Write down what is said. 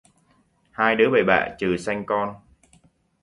Hai đứa bậy bạ chừ sanh con